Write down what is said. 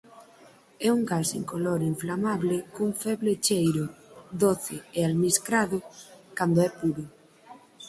É un gas incoloro inflamable cun feble cheiro "doce e almiscrado" cando é puro.